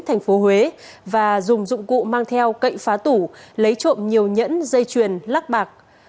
thành phố huế và dùng dụng cụ mang theo cậy phá tủ lấy trộm nhiều nhẫn dây chuyền lắc bạc